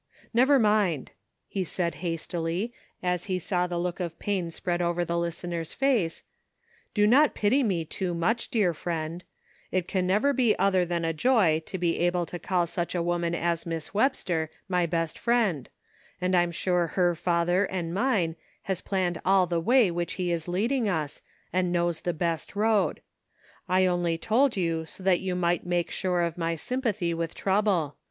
Never mind," he said hastily, as he saw the look of pain spread over the listener's face, " do not pity me too much, dear friend ; it can never be other than a joy to be able to call such a woman as Miss Webster is my best friend, and I am sure her Father and mine has planned all the way which he is leading us, and knows the best road. I only told you so that you might make sure of my sympathy with trouble.